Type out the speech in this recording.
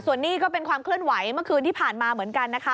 ส่วนนี้ก็เป็นความเคลื่อนไหวเมื่อคืนที่ผ่านมาเหมือนกันนะคะ